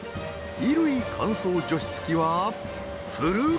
衣類乾燥除湿機はフル稼働！